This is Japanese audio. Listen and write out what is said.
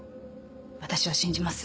私は信じます。